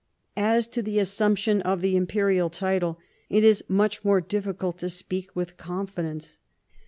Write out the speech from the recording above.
As to the assumption of the imperial title, it is much more difficult to speak with confidence.